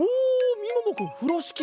みももくんふろしき！